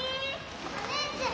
お姉ちゃん！